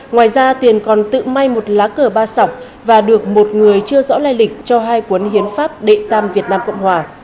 ngoài ra tiền còn tự may một lá cờ ba sọc và được một người chưa rõ lai lịch cho hai cuốn hiến pháp đệ tam việt nam cộng hòa